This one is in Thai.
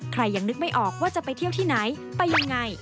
ยังนึกไม่ออกว่าจะไปเที่ยวที่ไหนไปยังไง